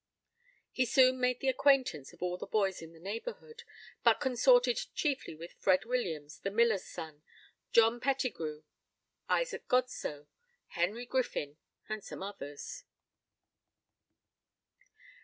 He soon made the acquaintance of all the boys in the neighborhood, but consorted chiefly with Fred Williams, the miller's son, John Pettigrew, Isaac Godsoe, Henry Griffin, and some others.